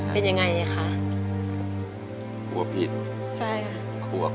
เป็นยังไงอ่ะค่ะ